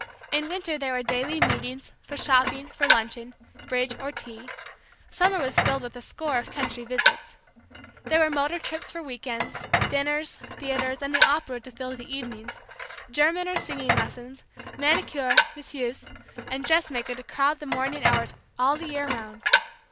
In winter there were daily meetings, for shopping, for luncheon, bridge or tea; summer was filled with a score of country visits. There were motor trips for week ends, dinners, theatre, and the opera to fill the evenings, German or singing lessons, manicure, masseuse, and dressmaker to crowd the morning hours all the year round.